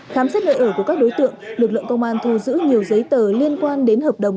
khám xét nơi ở của các đối tượng lực lượng công an thu giữ nhiều giấy tờ liên quan đến hợp đồng